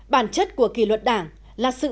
bản chất của kỷ luật đảng là sự